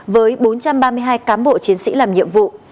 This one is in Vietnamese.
với bốn trăm ba mươi hai cán bộ chiến sĩ làm nhiệm vụ